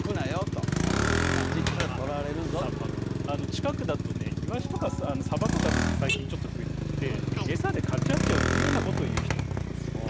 近くだとねイワシとかサバとか最近ちょっと増えてきてエサでかち合っちゃうというようなことを言う人もいますよね。